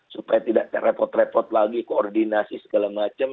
supaya tidak terrepot repot lagi koordinasi segala macam